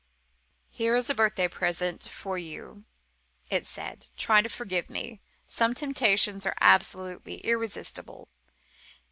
"Here is a birthday present for you," it said. "Try to forgive me. Some temptations are absolutely irresistible.